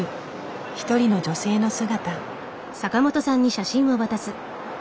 一人の女性の姿。